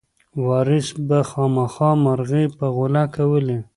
وارث به خامخا مرغۍ په غولکه ولي.